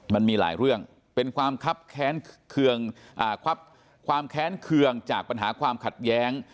มันมีหลายเรื่องเป็นความคับแค้นความแค้นเคืองจากปัญหาความขัดแย้ง